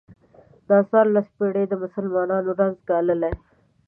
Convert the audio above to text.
دا څوارلس پېړۍ مسلمانانو رنځ ګاللی.